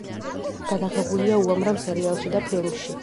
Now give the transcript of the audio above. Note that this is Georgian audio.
გადაღებულია უამრავ სერიალში და ფილმში.